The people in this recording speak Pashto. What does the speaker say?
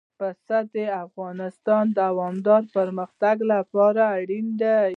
پسه د افغانستان د دوامداره پرمختګ لپاره اړین دي.